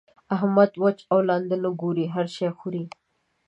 احمد؛ وچ او لانده نه ګوري؛ هر شی خوري.